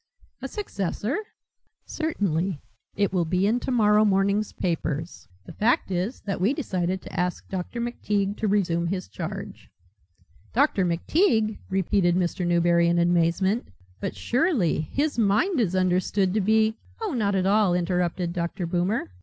"A successor?" "Certainly. It will be in tomorrow morning's papers. The fact is that we decided to ask Dr. McTeague to resume his charge." "Dr. McTeague!" repeated Mr. Newberry in amazement. "But surely his mind is understood to be " "Oh not at all," interrupted Dr. Boomer.